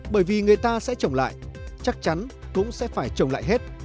bởi vì người ta sẽ trồng lại chắc chắn cũng sẽ phải trồng lại hết